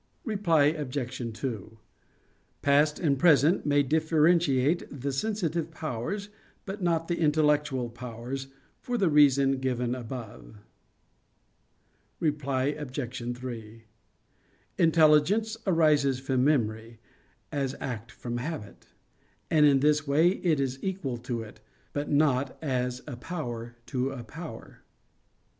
Reply Obj. 2: Past and present may differentiate the sensitive powers, but not the intellectual powers, for the reason give above. Reply Obj. 3: Intelligence arises from memory, as act from habit; and in this way it is equal to it, but not as a power to a power.